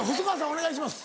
お願いします。